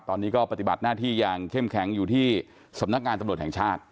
ตอนนี้ก็ปฏิบัติหน้าที่อย่างเข้มแข็งอยู่ที่สำนักงานตำรวจแห่งชาติ